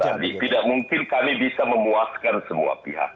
saya kan sudah sampaikan tadi tidak mungkin kami bisa memuaskan semua pihak